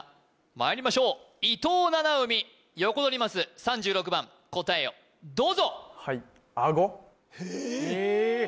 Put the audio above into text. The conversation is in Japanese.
まいりましょう伊藤七海ヨコドリマス３６番答えをどうぞはいえっ！？